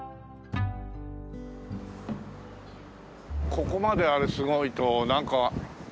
ここまですごいとなんか。